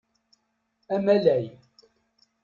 Amalay.